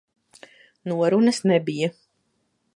Norunas nebija.